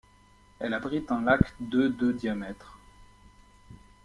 Elle abrite un lac de de diamètre.